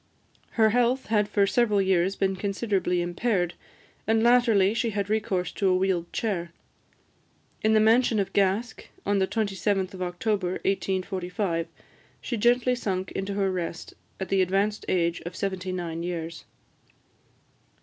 Her health had for several years been considerably impaired, and latterly she had recourse to a wheeled chair. In the mansion of Gask, on the 27th of October 1845, she gently sunk into her rest, at the advanced age of seventy nine years.